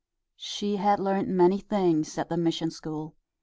She had learned many things at the mission school.